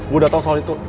gue udah tau soal itu